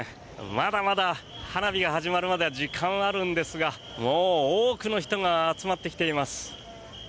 まだまだ花火が始まるまで時間はあるんですがもう、多くの人が集まってきています。